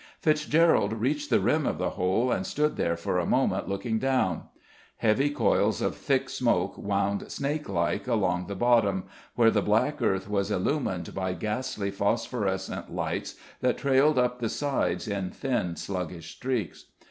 Fitzgerald reached the rim of the hole and stood there for a moment looking down. Heavy coils of thick smoke wound snake like along the bottom, where the black earth was illumined by ghastly phosphorescent lights that trailed up the sides in thin sluggish streaks.